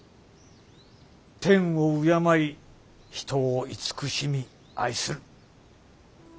天を敬い人を慈しみ愛する。